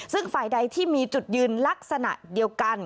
ซึ่งฝ่ายใดที่มีจุดยืนลักษณะเดียวกัน